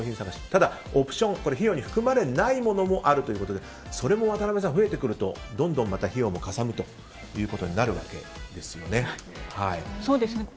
ただ、オプション費用に含まれないものもあるということでそれも渡部さん、増えてくるとどんどん費用もかさむということになるわけですよね。